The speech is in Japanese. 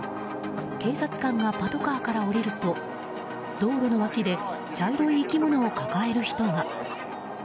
警察官がパトカーから降りると道路の脇で茶色い生き物を抱える人が。